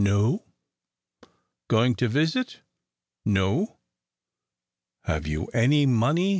"No." "Going to visit?' "No." "Have you any money?"